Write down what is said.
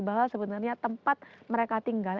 bahwa sebenarnya tempat mereka tinggal